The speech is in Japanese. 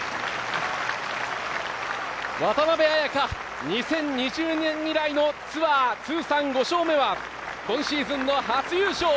渡邉彩香、２０２０年以来のツアー通算５勝目は、今シーズンの初優勝。